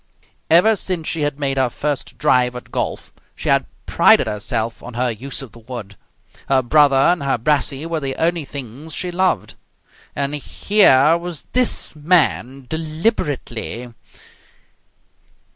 Ever since she had made her first drive at golf, she had prided herself on her use of the wood. Her brother and her brassey were the only things she loved. And here was this man deliberately....